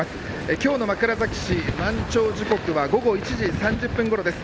今日の枕崎市、満潮時刻は午後１時３０分ごろです。